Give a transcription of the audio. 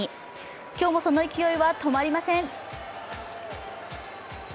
今日も、その勢いは止まりません。